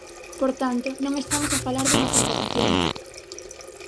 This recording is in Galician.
Por tanto, non estamos a falar dunha contratación.